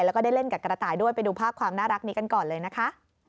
แล้วก็ได้เล่นกับกระต่ายด้วยไปดูภาพความน่ารักนี้กันก่อนเลยนะคะ